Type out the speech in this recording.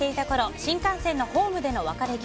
新幹線のホームでの別れ際